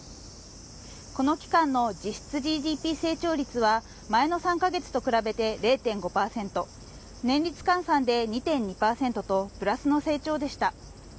この期間の実質ＧＤＰ成長率は前の３か月と比べて０．５％年率換算で２．２％とプラスの成長でした。